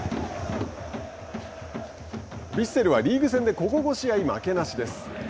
ヴィッセルはリーグ戦でここ５試合負けなしです。